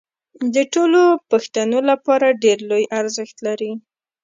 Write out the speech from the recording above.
د ټولو پښتنو لپاره ډېر لوی ارزښت لري